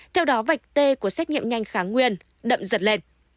theo đó vạch t của xét nghiệm nhanh kháng nguyên đậm dần lên